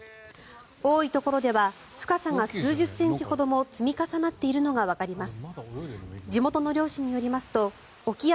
多いところでは深さが数十センチほども積み重なっているのがわかります。